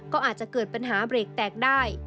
ก็อาจจะเกิดปัญหาเบรกแตกได้